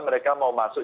mereka mau masuk